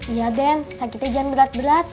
iya den sakitnya jangan berat berat